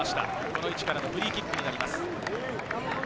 この位置からのフリーキックになります。